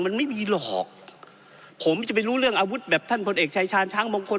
มันไม่มีหรอกผมจะไปรู้เรื่องอาวุธแบบท่านพลเอกชายชาญช้างมงคล